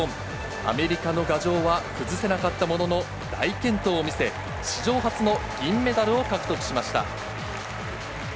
アメリカの牙城は崩せなかったものの、大健闘を見せ、史上初の銀メダルを獲得しました。